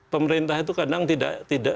pemerintah itu kadang tidak